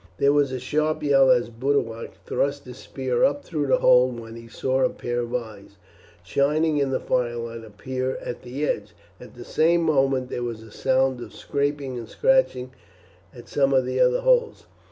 There was a sharp yell as Boduoc thrust his spear up through the hole when he saw a pair of eyes, shining in the firelight, appear at the edge. At the same moment there was a sound of scraping and scratching at some of the other holes.